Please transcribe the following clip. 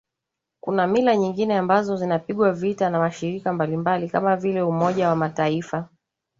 Kuna mila nyingine ambazo zinapigwa vita na mashirika mbalimbali kama vile Umoja wa Mataifa